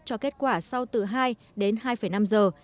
cho kết quả sau từ hai đến hai năm giờ